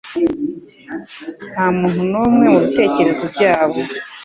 Ntamuntu numwe mubitekerezo byabo